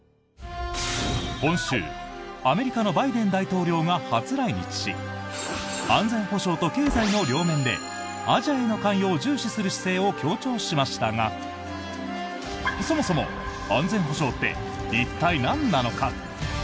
今週、アメリカのバイデン大統領が初来日し安全保障と経済の両面でアジアへの関与を重視する姿勢を強調しましたがそもそも安全保障って一体、なんなのか？